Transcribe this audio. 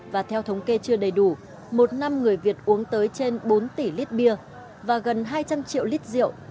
và theo thống kê chưa đầy đủ một năm người việt uống tới trên bốn tỷ lít bia và gần hai trăm linh triệu lít rượu